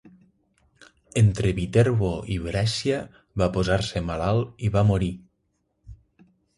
Entre Viterbo i Brescia va posar-se malalt i va morir.